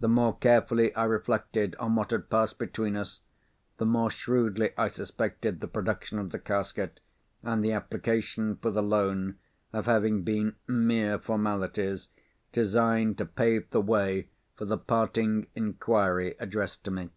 The more carefully I reflected on what had passed between us, the more shrewdly I suspected the production of the casket, and the application for the loan, of having been mere formalities, designed to pave the way for the parting inquiry addressed to me.